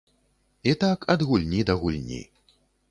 І так ад гульні да гульні.